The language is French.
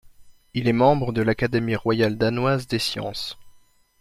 Il est membre de l'Académie royale danoise des sciences.